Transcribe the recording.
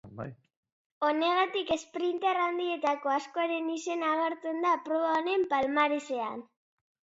Honegatik esprinter handietako askoren izena agertzen da proba honen palmaresean.